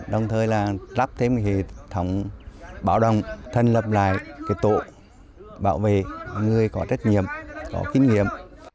đồng thời là lắp thêm hệ thống bảo đồng thân lập lại cái tổ bảo vệ người có trách nhiệm có kinh nghiệm